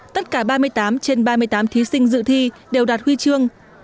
tất cả ba mươi tám trên ba mươi tám thí sinh dự thi đều đạt huy chương